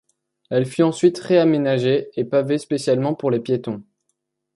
Elle fut ensuite réaménagée et pavée spécialement pour les piétons.